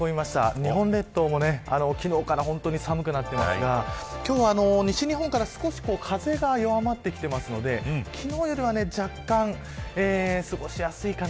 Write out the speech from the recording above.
日本列島も、昨日から本当に寒くなってますが今日は西日本から少し風が弱まってきてますので昨日よりは若干過ごしやすいかな。